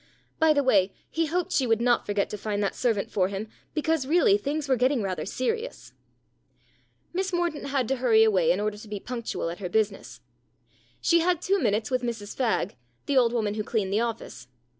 By the way, he hoped she would not forget to find that servant for him, because really things were getting rather serious. Miss Mordaunt had to hurry away in order to be punctual at her business. She had two minutes with Mrs Fagg, the old woman who cleaned the office.